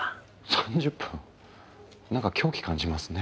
３０分なんか狂気感じますね。